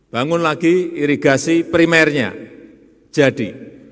bangun lagi irigasi primernya jadi